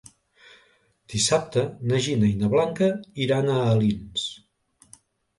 Dissabte na Gina i na Blanca iran a Alins.